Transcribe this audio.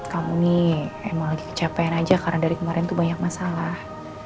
kamu nih emang lagi kecapean aja karena dari kemarin tuh banyak masalah